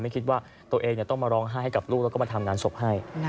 ไม่คิดว่าตัวเองต้องมาร้องไห้ให้กับลูกแล้วก็มาทำงานศพให้